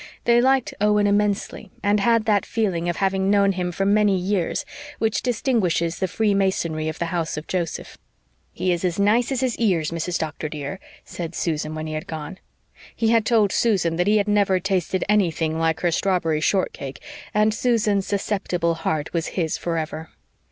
They liked Owen immensely and had that feeling of having known him for many years which distinguishes the freemasonry of the house of Joseph. "He is as nice as his ears, Mrs. Doctor, dear," said Susan, when he had gone. He had told Susan that he had never tasted anything like her strawberry shortcake and Susan's susceptible heart was his forever.